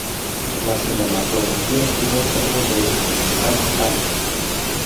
La cinematografía estuvo a cargo de Al Hamm.